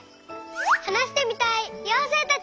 はなしてみたいようせいたち！